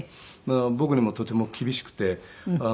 だから僕にもとても厳しくて。